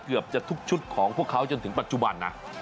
เกือบจะทุกชุดของพวกเขาจนถึงปัจจุบันนะ